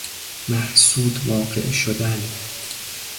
محسود واقع شدن